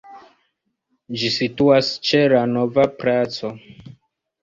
Ĝi situas ĉe la Nova Placo.